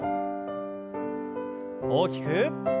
大きく。